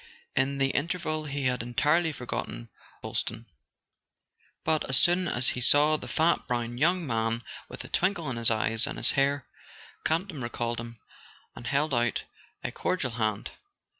In the interval he had entirely forgotten Boylston; but as soon as he saw the fat brown young man with a twinkle in his eyes and his hair, Campton recalled him, and held out a cordial hand.